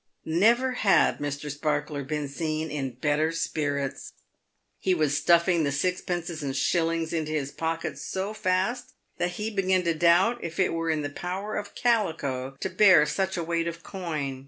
Never had Mr. Sparkler been seen in better spirits. He was stuffing the sixpences and shillings into his pocket so fast that he began to doubt if it were in the power of calico to bear such a weight of coin.